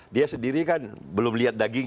dia sendiri kan belum lihat daging